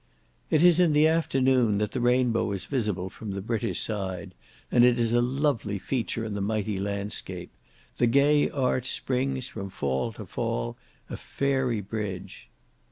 It is in the afternoon that the rainbow is visible from the British side; and it is a lovely feature in the mighty landscape. The gay arch springs from fall to fall, a fairy bridge.